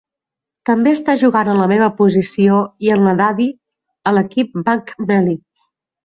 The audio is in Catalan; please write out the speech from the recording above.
També està jugant en la meva posició i en la d'Hadi a l'equip Bank Melli.